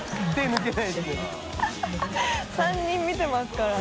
３人見てますから。